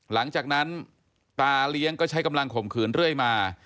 หลังจากนั้นตาเลี้ยงก็ใช้กำลังข่มขืนเรื่อยมา